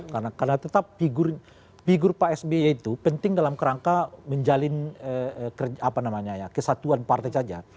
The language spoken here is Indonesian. karena tetap figur pak sbi itu penting dalam kerangka menjalin kesatuan partai saja